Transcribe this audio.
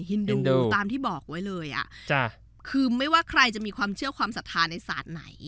ฮินดูตามที่บอกไว้เลยอ่ะคือไม่ว่าใครจะมีความเชื่อความศรัทธาในศาสตร์ไหน